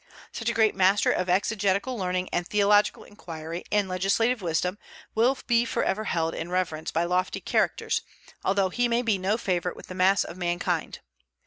Such a great master of exegetical learning and theological inquiry and legislative wisdom will be forever held in reverence by lofty characters, although he may be no favorite with the mass of mankind.